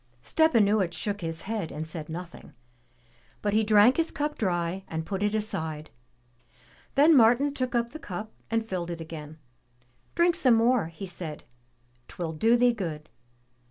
Stepanuich shook his head and said nothing, but he drank his cup dry and put it aside. Then Martin took up the cup and filled it again. ''Drink some more," he said, "Twill do thee good.